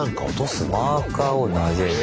マーカーを投げ入れる。